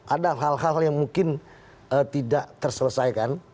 ada hal hal yang mungkin tidak terselesaikan